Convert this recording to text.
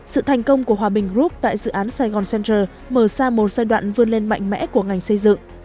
sự thành công của hòa bình group tại dự án saigon center mở ra một giai đoạn vươn lên mạnh mẽ của ngành xây dựng